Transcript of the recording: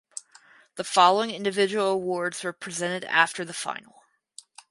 The following individual awards were presented after the final.